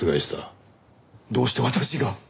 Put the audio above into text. どうして私が？